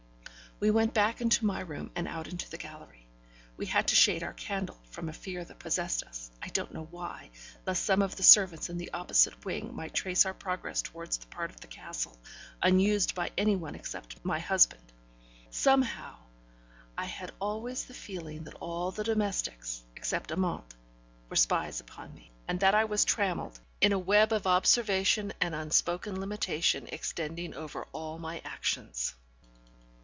We went back into my room, and out into the gallery. We had to shade our candle, from a fear that possessed us, I don't know why, lest some of the servants in the opposite wing might trace our progress towards the part of the castle unused by any one except my husband. Somehow, I had always the feeling that all the domestics, except Amante, were spies upon me, and that I was trammelled in a web of observation and unspoken limitation extending over all my actions.